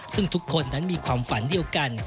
ซึ่งทุกคนนั้นมีความฝันเดียวกัน